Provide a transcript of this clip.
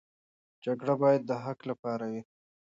جګړه باید د حق لپاره وي.